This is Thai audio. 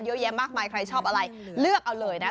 เยอะแยะมากมายใครชอบอะไรเลือกเอาเลยนะคะ